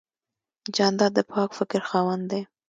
جانداد د پاک فکر خاوند دی.